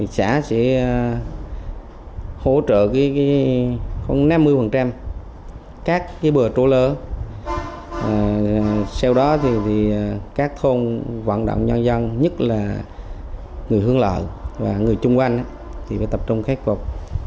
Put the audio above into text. xã sẽ hỗ trợ khoảng năm mươi các bờ trũ lỡ sau đó thì các thôn vận động nhân dân nhất là người hướng lợi và người chung quanh thì phải tập trung khắc phục